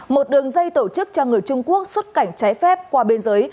một đường dây tổ chức cho người trung quốc xuất cảnh trái phép qua biên giới